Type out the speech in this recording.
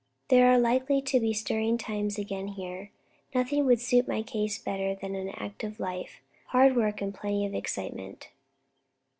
"There are likely to be stirring times again here. Nothing would suit my case better than an active life, hard work, and plenty of excitement."